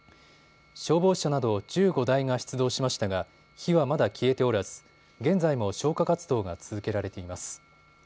消防車など１５台が出動しましたが火はまだ消えておらず現在も消火活動が続けられています。